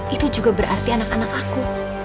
itu juga berarti anak anak aku